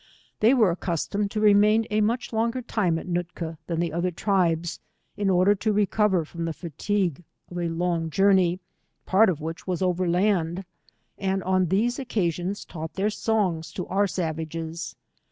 They were accustomed to remain a much longer time at Ncotka than the other tribes, in order to recover from the fatigue of a long journey, part of which was over land,, and on these pccasioos taught their son^s to our savages.